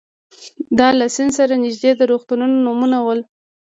دا له سیند سره نږدې د روغتونونو نومونه ول.